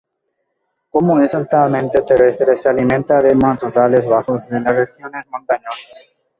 Como es altamente terrestre, se alimenta de matorrales bajos de las regiones montañosas.